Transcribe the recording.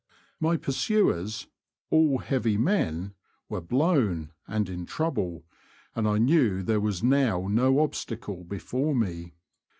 My pursuers — all heavy men — were blown, and in trouble, and I knew there was now no obstacle before me.